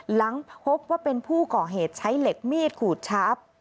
หลังพบว่าเป็นผู้ก่อเหตุใช้เหล็กมีดขูดชับ